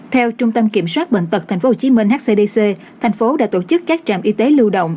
theo trung tâm kiểm soát bệnh tật tp hcm hcdc thành phố đã tổ chức các trạm y tế lưu động